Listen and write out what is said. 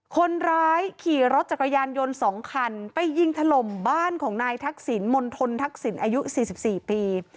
คนร้ายขี่รถจักรยานยนต์๒คันไปยิงถล่มบ้านของนายทักษิณมณฑลทักษิณอายุ๔๔ปี